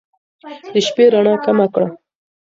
د شپې رڼا کمه کړه